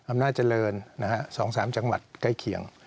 อำนาจเจริญ๒๓จังหวัดใกล้เคียง